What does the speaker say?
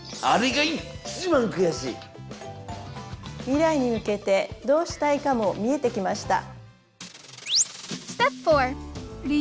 未来に向けてどうしたいかも見えてきました。